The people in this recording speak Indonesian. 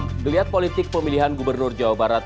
geliat politik pemilihan gubernur jawa barat